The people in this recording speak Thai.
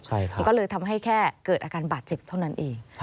มันก็เลยทำให้แค่เกิดอาการบาดเจ็บเท่านั้นเอง